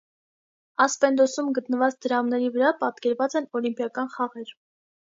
Ասպենդոսում գտնված դրամների վրա պատկերված են օլիմպիական խաղեր։